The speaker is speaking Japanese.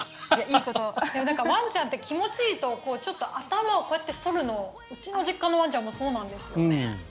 ワンちゃんって気持ちいいと、頭をそるのうちの実家のワンちゃんもそうなんですよね。